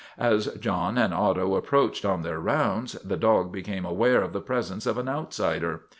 As John and Otto approached on their rounds the dog became aware of the presence of an outsider.